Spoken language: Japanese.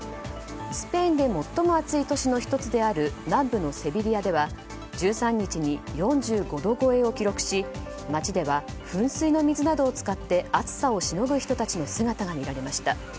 スペインで最も暑い都市の１つである南部のセビリアでは、１３日に４５度超えを記録し街では噴水の水などを使って暑さをしのぐ人たちの姿が見られました。